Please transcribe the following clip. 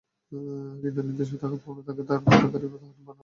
কিন্তু নির্দোষ থাকার প্রবণতা তাকে হত্যাকারীর প্রতি হাত বাড়ানো থেকে বিরত রাখে।